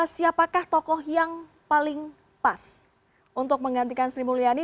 siapakah tokoh yang paling pas untuk menggantikan sri mulyani